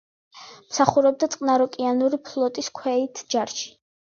მსახურობდა წყნაროკეანური ფლოტის ქვეით ჯარში.